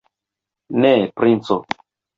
Ne, princo!